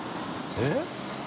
えっ？